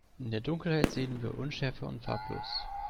In der Dunkelheit sehen wir unschärfer und farblos.